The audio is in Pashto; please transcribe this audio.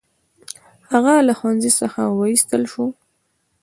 هغه له ښوونځي څخه وایستل شو.